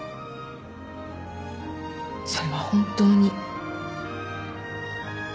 それは本当に。